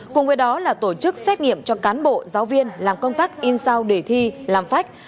cùng với đó là tổ chức xét nghiệm cho cán bộ giáo viên làm công tác in sao để thi làm phách